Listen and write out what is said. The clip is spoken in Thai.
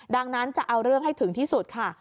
ดังนั้นจะเอาเรื่องให้ถึงที่สุดค่ะ